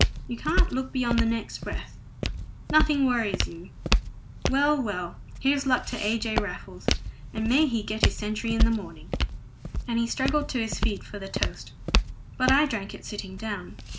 You can't look beyond the next breath. Nothing else worries you. Well, well, here's luck to A. J. Raffles, and may he get his century in the morning!" And he struggled to his feet for the toast; but I drank it sitting down.